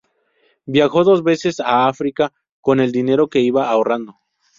Viajó dos veces a África con el dinero que iba ahorrando.